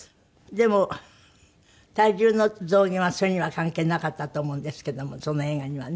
でも体重の増減はそれには関係なかったと思うんですけどもその映画にはね。